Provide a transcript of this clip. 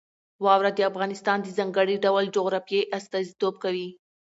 واوره د افغانستان د ځانګړي ډول جغرافیې استازیتوب کوي.